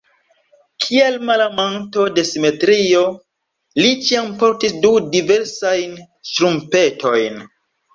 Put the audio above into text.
Kiel malamanto de simetrio li ĉiam portis du diversajn ŝtrumpetojn.